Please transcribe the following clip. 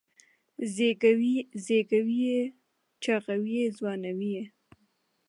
زېږوي یې چاغوي یې ځوانوي یې